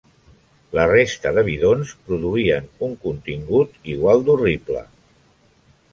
La resta de bidons produïen un contingut igual d'horrible.